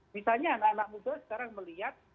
misalnya anak anak muda sekarang melihat